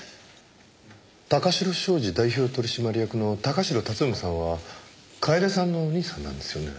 貴城商事代表取締役の貴城辰臣さんは楓さんのお兄さんなんですよね？